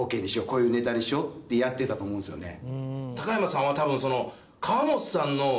こういうネタにしようってやってたと思うんですよね。